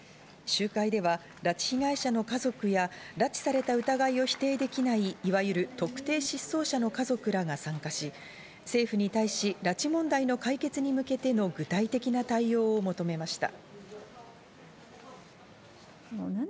集会では拉致被害者の家族や、拉致された疑いを否定できない、いわゆる特定失踪者の家族らが参加し、政府に対し、拉致問題の解決に向けての具体的な対応を求めました。